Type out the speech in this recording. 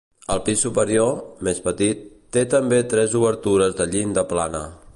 Al pis superior, més petit, té també tres obertures de llinda plana.